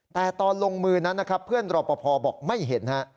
แต่ตอนลงมือนั้นนะครับเพื่อนรอปภบอกไม่เห็นฮะ